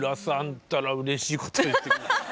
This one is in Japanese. ったらうれしいこと言ってくれる。